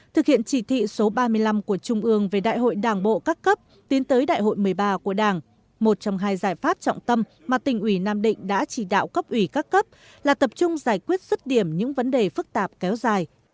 thực hiện chỉ thị số ba mươi năm của trung ương về đại hội đảng bộ các cấp tiến tới đại hội một mươi ba của đảng một trong hai giải pháp trọng tâm mà tỉnh ủy nam định đã chỉ đạo cấp ủy các cấp là tập trung giải quyết rứt điểm những vấn đề phức tạp kéo dài